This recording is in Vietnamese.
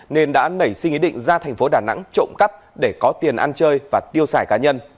nên đã nảy sinh ý định ra thành phố đà nẵng trộm cắp để có tiền ăn chơi và tiêu xài cá nhân